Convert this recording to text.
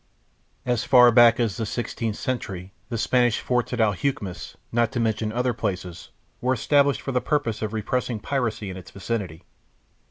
As far back as the sixteenth century the Spanish forts at Alhucemas not to mention other places were established for the purpose of repressing piracy in its vicinity.